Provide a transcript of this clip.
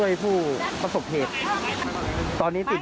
อยู่ไหนอยู่ไหนครับ